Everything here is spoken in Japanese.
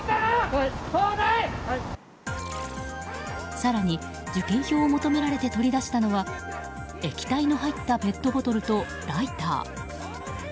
更に、受験票を求められて取り出したのは液体の入ったペットボトルとライター。